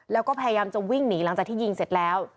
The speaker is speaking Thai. แล้วก็พยายามจะวิ่งหนีหลังจากที่ยิงเสร็จแล้ว